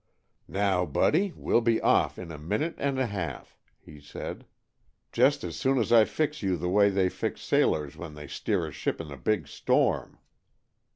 "Now, Buddy, we'll be off in a minute and a half," he said, "just as soon as I fix you the way they fix sailors when they steer a ship in a big storm."